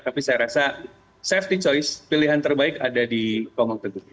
tapi saya rasa safety choice pilihan terbaik ada di komang teguh